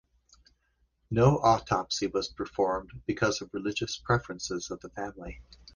No autopsy was performed because of religious preferences of the family.